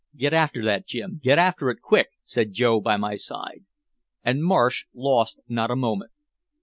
"Get after that, Jim, get after it quick!" said Joe by my side. And Marsh lost not a moment.